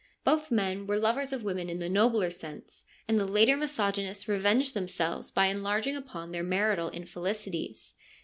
Both men were lovers of women in the nobler sense, and the later misogynists revenged themselves by en larging upon their marital infelicities.